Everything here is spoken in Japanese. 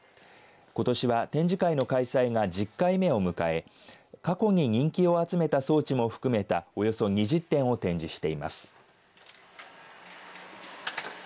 ことしは、展示会の開催が１０回目を迎え過去に人気を集めた装置も含めたおよそ２０点を展示しています。